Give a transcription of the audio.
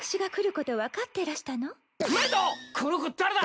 この子誰だ！？